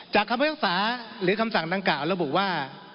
จากคำสั่งดังกล่าวแล้วบอกว่า